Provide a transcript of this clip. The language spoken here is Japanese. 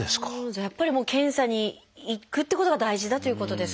じゃあやっぱり検査に行くってことが大事だということですか？